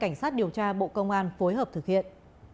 cảnh sát điều tra bộ công an phối hợp thực hiện